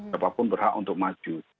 siapapun berhak untuk maju